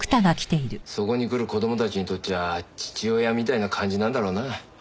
そこに来る子供たちにとっちゃ父親みたいな感じなんだろうな。